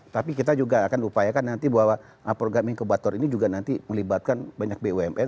tapi kita juga akan upayakan nanti bahwa program inkubator ini juga nanti melibatkan banyak bumn